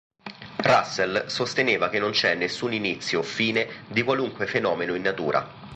Russell sosteneva che non c'è nessun inizio o fine di qualunque fenomeno in natura.